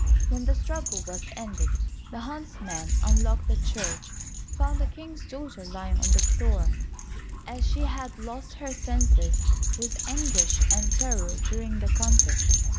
When the struggle was ended, the huntsman unlocked the church, and found the King's daughter lying on the floor, as she had lost her senses with anguish and terror during the contest.